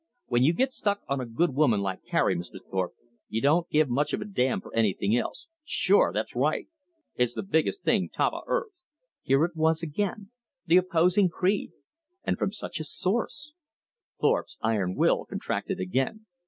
When you get stuck on a good woman like Carrie, Mr. Thorpe, you don't give much of a damn for anything else. Sure! That's right! It's the biggest thing top o' earth!" Here it was again, the opposing creed. And from such a source. Thorpe's iron will contracted again.